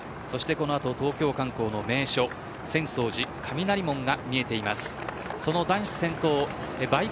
この後東京観光の名所浅草寺雷門が見えています。